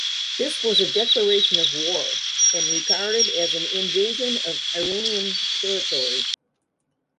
This was a declaration of war and regarded as an invasion of Iranian territory.